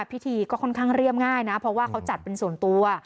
พิธีก็ค่อนข้างเรียบง่ายนะเพราะว่าเขาจัดเป็นส่วนตัว